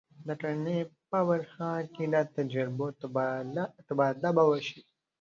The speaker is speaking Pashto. د کرنې په برخه کې د تجربو تبادله به وشي.